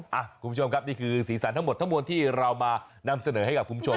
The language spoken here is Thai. คุณผู้ชมครับนี่คือสีสันทั้งหมดทั้งมวลที่เรามานำเสนอให้กับคุณผู้ชม